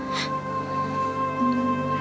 ibu juga nggak salah